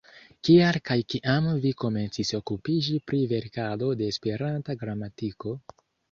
Kial kaj kiam vi komencis okupiĝi pri verkado de Esperanta gramatiko?